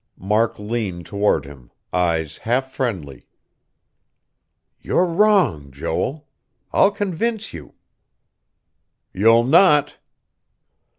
Mark leaned toward him, eyes half friendly. "You're wrong, Joel. I'll convince you." "You'll not."